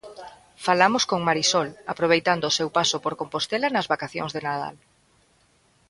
Falamos con Marisol, aproveitando o seu paso por Compostela nas vacacións de Nadal.